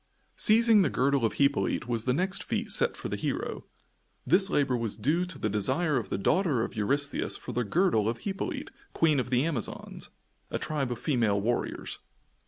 Seizing the girdle of Hippolyte was the next feat set for the hero. This labor was due to the desire of the daughter of Eurystheus for the girdle of Hippolyte, Queen of the Amazons a tribe of female warriors.